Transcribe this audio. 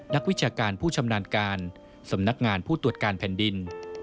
วิชาการผู้ชำนาญการสำนักงานผู้ตรวจการแผ่นดิน